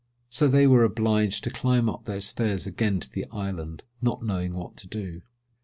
So they were obliged to climb up their stairs again to the island, not knowing what to do.